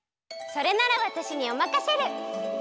それならわたしにおまかシェル！